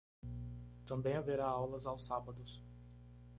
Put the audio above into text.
Também haverá aulas aos sábados.